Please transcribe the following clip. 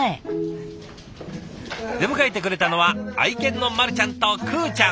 出迎えてくれたのは愛犬のまるちゃんとくーちゃん。